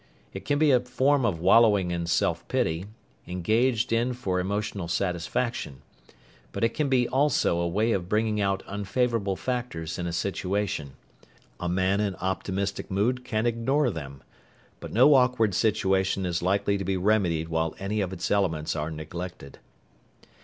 It can be a form of wallowing in self pity, engaged in for emotional satisfaction. But it can be, also, a way of bringing out unfavorable factors in a situation. A man in optimistic mood can ignore them. But no awkward situation is likely to be remedied while any of its elements are neglected.